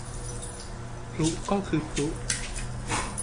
พลุก็คือพลุ